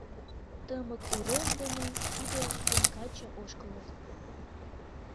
Тымык урем дене ӱдыр ден каче ошкылыт.